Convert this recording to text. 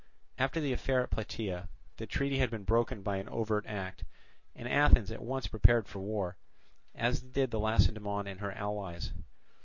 After the affair at Plataea, the treaty had been broken by an overt act, and Athens at once prepared for war, as did also Lacedaemon and her allies.